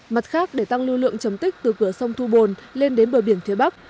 mặt khác để tăng lưu lượng chầm tích từ cửa sông thu bồn lên đến bờ biển thế bắc